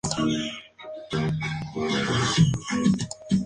Remarcó que la Comisión solo se enfocaba en investigar las obras públicas.